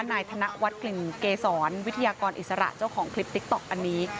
นายธนวัฒน์กลิ่นเกษรวิทยากรอิสระเจ้าของคลิปติ๊กต๊อกอันนี้